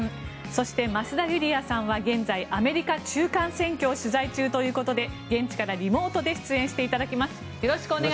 そして、増田ユリヤさんは現在、アメリカ中間選挙を取材中ということで現地からリモートで出演していただきます。